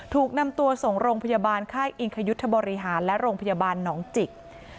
ถูกนำตัวส่งโรงพยาบาลค่ายอิงคยุทธบริหารและโรงพยาบาลหนองจิก